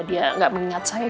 dia gak mengingat saya